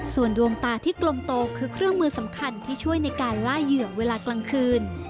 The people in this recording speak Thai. ส่วนดวงตาที่กลมโตคือเครื่องมือสำคัญที่ช่วยในการล่าเหยื่อเวลากลางคืน